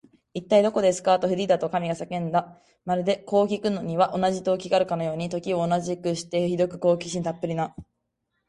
「いったい、どこですか？」と、フリーダとおかみとが叫んだ。まるで、こうきくのには同じ動機があるかのように、時を同じくして、ひどく好奇心たっぷりな